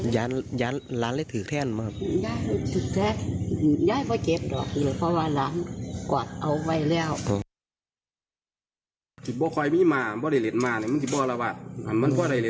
ยันยันลางได้ถือแค่นรอบทุกแท้่งย้ายใช่ออกเก็บหรอ